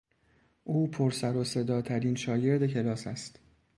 او پر سرو صدا ترین شاگرد کلاس است.